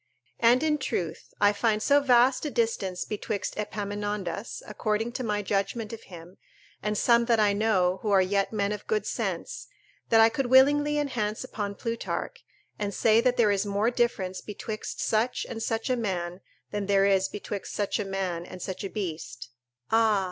And, in truth, I find so vast a distance betwixt Epaminondas, according to my judgment of him, and some that I know, who are yet men of good sense, that I could willingly enhance upon Plutarch, and say that there is more difference betwixt such and such a man than there is betwixt such a man and such a beast: ["Ah!